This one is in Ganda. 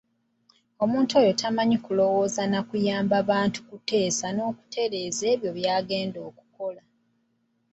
Omuntu oyo tamanyi kulowooza na kuyamba muntu kuteesa n'okutereeza by'agenda okukola.